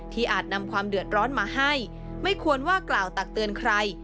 อาจนำความเดือดร้อนมาให้ไม่ควรว่ากล่าวตักเตือนใคร